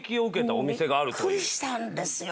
びっくりしたんですよ